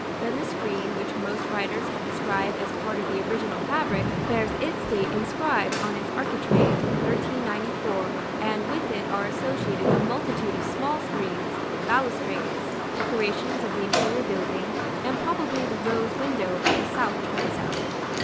Then the screen, which most writers have described as part of the original fabric, bears its date inscribed on its architrave, 1394, and with it are associated a multitude of small screens, balustrades, decorations of the interior building, and probably the rose window of the south transept.